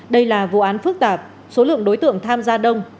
đây là vụ án phức tạp số lượng đối tượng tham gia đông